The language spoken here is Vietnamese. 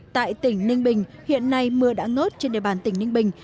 tại tỉnh ninh bình hiện nay mưa đã ngớt trên địa bàn tỉnh ninh bình